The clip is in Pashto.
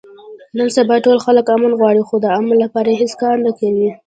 نن سبا ټول خلک امن غواړي، خو د امن لپاره هېڅ کار نه کوي.